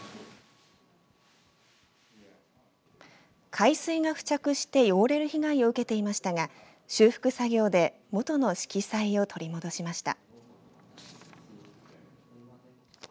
海水が付着して汚れる被害を受けていましたが修復作業で元の色彩を取り戻しました。